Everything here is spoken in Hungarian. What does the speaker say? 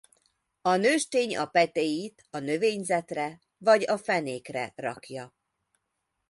A nőstény a petéit a növényzetre vagy a fenékre rakja.